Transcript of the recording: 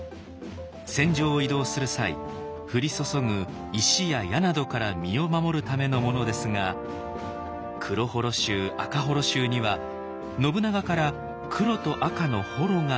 戦場を移動する際降り注ぐ石や矢などから身を守るためのものですが黒母衣衆赤母衣衆には信長から黒と赤の母衣が与えられていました。